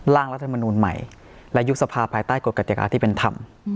ร่างรัฐมนูลใหม่และยุบสภาภายใต้กฎกติกาที่เป็นธรรม